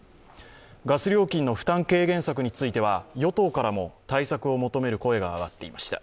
ガス料金の負担軽減策については与党からも対策を求める声が上がってました。